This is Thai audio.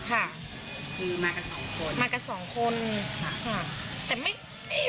ใช่ตอนมารับตอนมาสั่งก็ปกติ